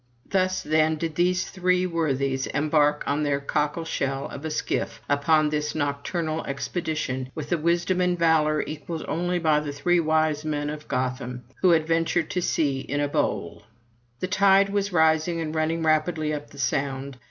Thus then did these three worthies embark in their cockle shell of a skiff upon this nocturnal expedition, with a wisdom and valor equalled only by the three wise men of Gotham, who adventured to sea in a bowl. The tide was rising and running rapidly up the Sound.